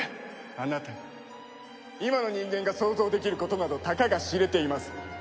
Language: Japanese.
あなたが今の人間が想像できることなどたかが知れています。